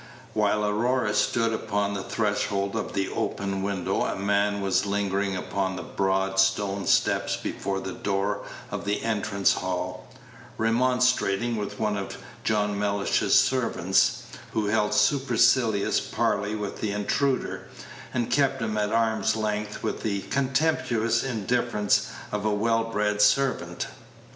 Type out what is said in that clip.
While Aurora stood upon the threshold of the open window, a man was lingering upon the broad stone steps before the door of the entrance hall, remonstrating with one of John Mellish's servants, who held supercilious parley with the intruder, and kept him at arm's length with the contemptuous indifference of a well bred servant.